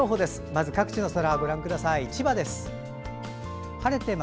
まず、各地の空をご覧ください。